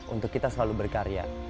untuk kita selalu berkarya